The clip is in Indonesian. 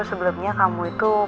yeah breakfast kau punya sih deck